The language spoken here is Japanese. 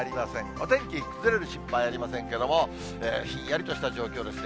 お天気、崩れる心配ありませんけれども、ひんやりとした状況ですね。